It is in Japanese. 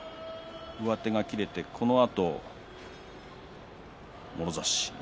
上手が切れてそのあともろ差し。